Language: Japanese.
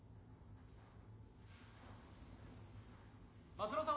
・松戸さん